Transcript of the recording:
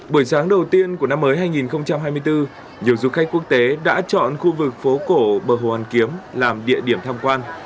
buổi sáng đầu tiên của năm mới hai nghìn hai mươi bốn nhiều du khách quốc tế đã chọn khu vực phố cổ bờ hồ hoàn kiếm làm địa điểm tham quan